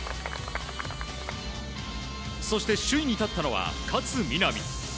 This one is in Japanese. そして首位に立ったのは勝みなみ。